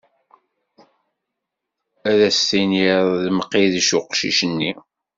Ad s-tiniḍ d Mqidec uqcic-nni.